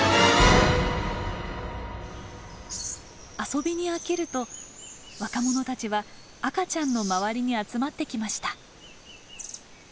遊びに飽きると若者たちは赤ちゃんの周りに集まってきました。